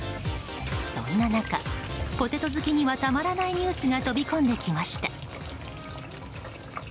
そんな中、ポテト好きにはたまらないニュースが飛び込んできました。